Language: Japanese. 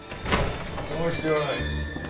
その必要はない。